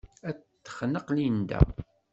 Ad t-texneq Linda.